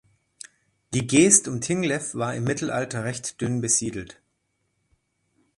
Die Geest um Tinglev war im Mittelalter recht dünn besiedelt.